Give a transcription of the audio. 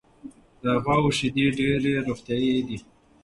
د غواوو شیدې ډېرې روغتیایي دي.